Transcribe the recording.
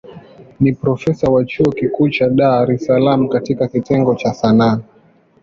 Ni profesa wa chuo kikuu cha Dar es Salaam katika kitengo cha Sanaa.